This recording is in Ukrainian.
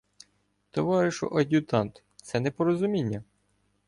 — Товаришу ад'ютант! Це непорозуміння.